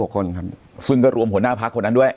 คนครับซึ่งก็รวมหัวหน้าพักคนนั้นด้วย